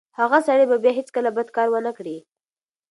هغه سړی به بیا هیڅکله بد کار ونه کړي.